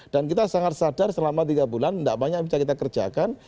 dan kita sangat sadar selama tiga bulan tidak banyak bisa kita kerjakan